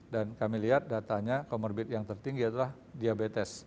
dan kami lihat datanya comorbid yang tertinggi adalah diabetes